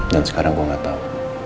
dan sekarang gue gak tau